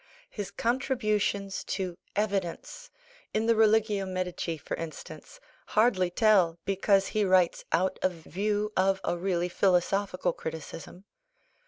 His contributions to "evidence," in the Religio Medici, for instance, hardly tell, because he writes out of view of a really philosophical criticism.